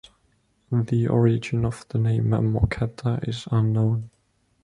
The origin of the name Mocatta is unknown.